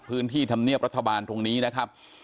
พื้นที่ธรรมเนียบรัฐบาลตรงนี้นะครับ